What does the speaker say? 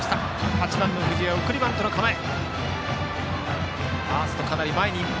８番の藤江は送りバントの構え。